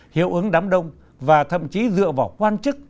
hiệu ứng đám đông và thậm chí dựa vào quan chức